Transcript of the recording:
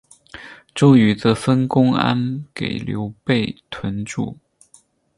周瑜则分公安给刘备屯驻。